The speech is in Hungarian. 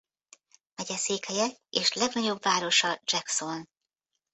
Megyeszékhelye és legnagyobb városa Jackson.